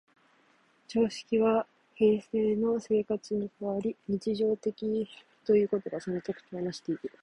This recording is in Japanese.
常識は平生の生活に関わり、日常的ということがその特徴をなしている。